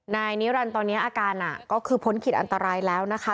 นายนิรันดิ์ตอนนี้อาการก็คือพ้นขีดอันตรายแล้วนะคะ